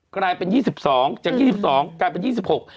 กลายเป็นยี่สิบสองจากยี่สิบสองกลายเป็นยี่สิบหก